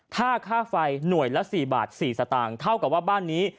ถ้าค่าไฟหน่วยละ๔บาท๔สตางค์เท่ากับว่าบ้านนี้